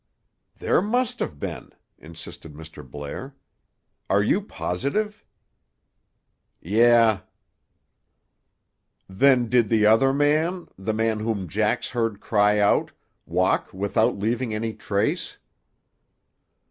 "There must have been," insisted Mr. Blair. "Are you positive?" "Yeh." "Then did the other man, the man whom Jax heard cry out, walk without leaving any trace?"